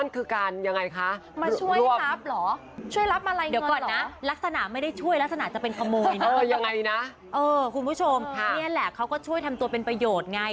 คุณผู้ชมนี่แหละเขาก็ช่วยทำตัวเป็นประโยชน์ไง